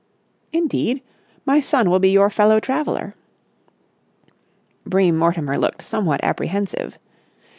'" "Indeed? My son will be your fellow traveller." Bream Mortimer looked somewhat apprehensive.